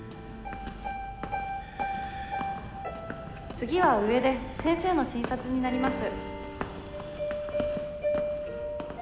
次は上で先生の診察になります。